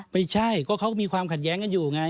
ไม่ใช่ก็เขาก็มีความขัดแย้งกันอยู่ไง